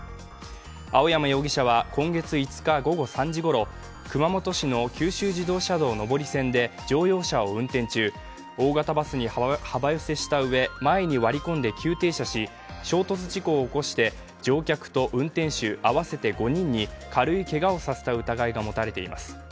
青山容疑者は今月１日午後３時ごろ、熊本市の九州自動車道上り線で乗用車を運転中、大型バスに幅寄せしたうえ前に割り込んで急停車し衝突事故を起こして、乗客と運転手合わせて５人に軽いけがをさせた疑いが持たれています。